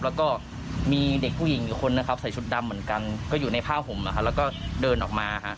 แล้วก็มีเด็กผู้หญิงอีกคนนะครับใส่ชุดดำเหมือนกันก็อยู่ในผ้าห่มแล้วก็เดินออกมา